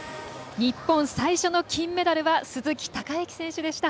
日本最初の金メダルは鈴木孝幸選手でした。